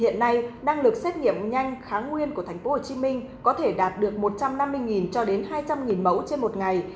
hiện nay năng lực xét nghiệm nhanh kháng nguyên của tp hcm có thể đạt được một trăm năm mươi cho đến hai trăm linh mẫu trên một ngày